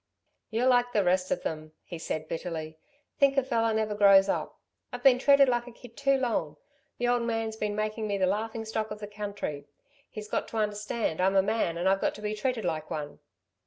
"You're like the rest of them," he said bitterly. "Think a fellow never grows up! I've been treated like a kid too long. The old man's been making me the laughing stock of the country ... and he's got to understand I'm a man ... and I've got to be treated like one."